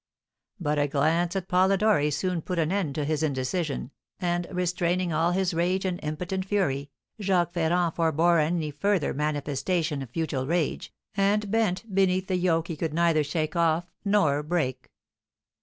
But a glance at Polidori soon put an end to his indecision, and, restraining all his rage and impotent fury, Jacques Ferrand forbore any further manifestation of futile rage, and bent beneath the yoke he could neither shake off nor break.